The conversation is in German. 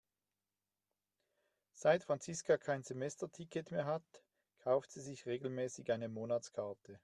Seit Franziska kein Semesterticket mehr hat, kauft sie sich regelmäßig eine Monatskarte.